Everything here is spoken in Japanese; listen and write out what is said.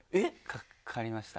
かかりました。